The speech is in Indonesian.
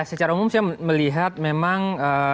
secara umum saya melihat memang